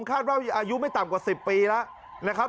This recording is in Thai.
คาดว่าอายุไม่ต่ำกว่า๑๐ปีแล้วนะครับ